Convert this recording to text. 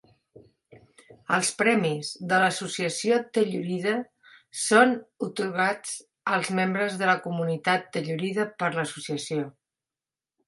Els premis de l'Associació Telluride són atorgats als membres de la comunitat Telluride per l'Associació.